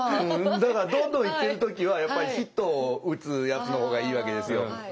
だからどんどん行ってる時はやっぱりヒットを打つやつの方がいいわけですよ。